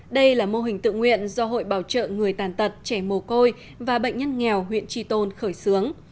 đây là mô hình tự nguyện do hội bảo trợ người tàn tật trẻ mồ côi và bệnh nhân nghèo huyện tri tôn khởi xướng